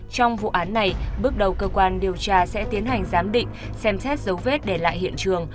trong vụ án này bước đầu cơ quan điều tra sẽ tiến hành giám định xem xét dấu vết để lại hiện trường